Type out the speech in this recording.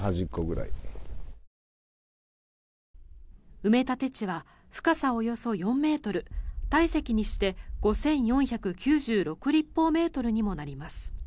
埋め立て地は、深さおよそ４ｍ体積にして５４９６立方メートルにもなります。